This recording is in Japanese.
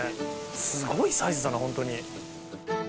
すごいサイズだな、本当に。